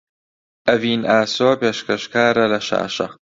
ئەڤین ئاسۆ پێشکەشکارە لە شاشە